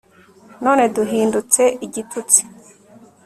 none duhindutse igitutsi